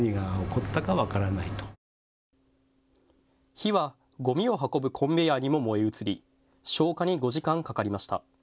火はごみを運ぶコンベヤーにも燃え移り消火に５時間かかりました。